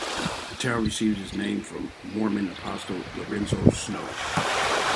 The town received its name from Mormon apostle Lorenzo Snow.